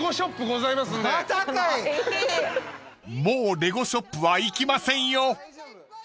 ［もうレゴショップは行きませんよ！］